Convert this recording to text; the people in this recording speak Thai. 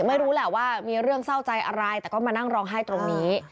ไม่รู้แหละว่ามีเรื่องเศร้าใจอะไรแต่ก็มานั่งร้องไห้ตรงนี้